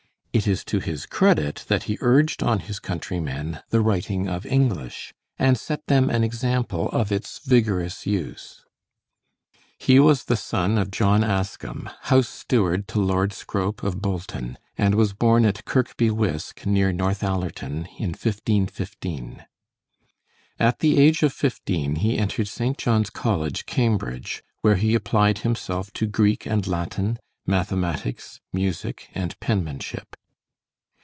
It is to his credit that he urged on his countrymen the writing of English, and set them an example of its vigorous use. He was the son of John Ascham, house steward to Lord Scrope of Bolton, and was born at Kirby Wiske, near Northallerton, in 1515. At the age of fifteen he entered St. John's College, Cambridge, where he applied himself to Greek and Latin, mathematics, music, and penmanship.